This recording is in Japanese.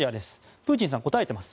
プーチンさん、答えています。